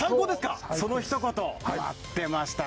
そのひと言待ってました。